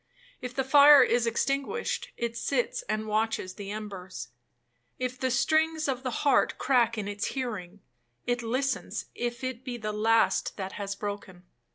If the fire is extinguished, it sits and watches the embers. If the strings of the heart crack in its hearing, it listens if it be the last that has broken.